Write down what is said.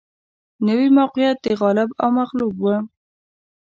نوي موقعیت د غالب او مغلوب و